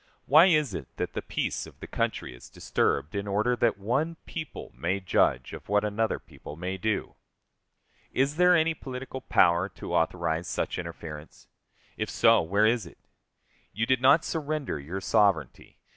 Why is it that the peace of the country is disturbed in order that one people may judge of what another people may do? Is there any political power to authorize such interference? If so, where is it? You did not surrender your sovereignty.